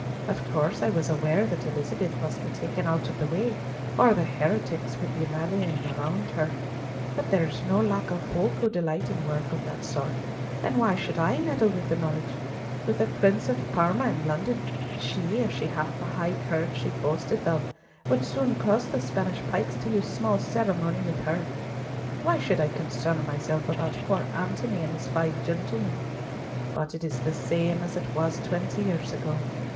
Of course I was aware that Elizabeth must be taken out of the way, or the heretics would be rallying round her; but there is no lack of folk who delight in work of that sort, and why should I meddle with the knowledge? With the Prince of Parma in London, she, if she hath the high courage she boasteth of, would soon cause the Spanish pikes to use small ceremony with her! Why should I concern myself about poor Antony and his five gentlemen? But it is the same as it was twenty years ago.